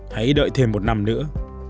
hãy đợi thêm một năm nữa